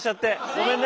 ごめんね。